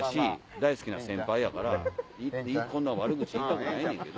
大好きな先輩やからこんな悪口言いたくないねんけど。